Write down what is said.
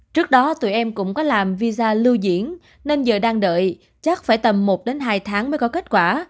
trước đó tụi em cũng có làm visa lưu diễn nên giờ đang đợi chắc phải tầm một đến hai tháng mới có kết quả